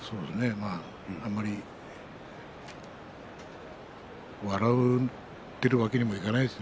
まあ、あまり笑っているわけにもいかないですね。